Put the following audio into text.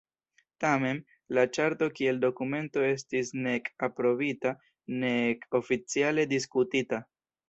Tamen, la Ĉarto kiel dokumento estis nek aprobita nek oficiale diskutita.